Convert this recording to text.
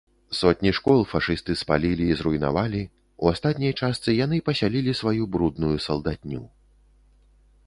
Сотні школ фашысты спалілі і зруйнавалі, у астатняй частцы яны пасялілі сваю брудную салдатню.